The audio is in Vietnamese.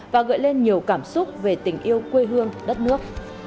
và gợi lên nhiều cảm xúc về tình yêu quê hương đất nước